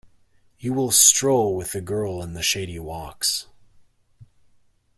You will stroll with the girl in the shady walks.